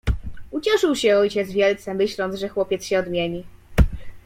"Ucieszył się ojciec wielce, myśląc, że chłopiec się odmieni."